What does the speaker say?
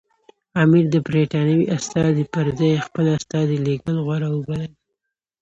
امیر د برټانوي استازي پر ځای خپل استازی لېږل غوره وبلل.